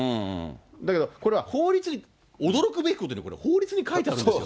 だけど、これは法律、驚くべきことに法律に書いてあるんですよ。